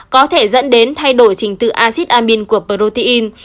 có thể dẫn đến thay đổi trình tự acid amin của protein